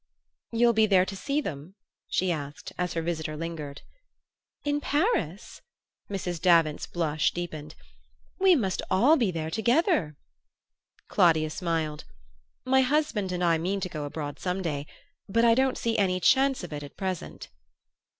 "You'll be there to see them?" she asked, as her visitor lingered. "In Paris?" Mrs. Davant's blush deepened. "We must all be there together." Claudia smiled. "My husband and I mean to go abroad some day but I don't see any chance of it at present."